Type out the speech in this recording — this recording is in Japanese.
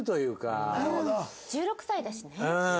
うん１６歳だしね。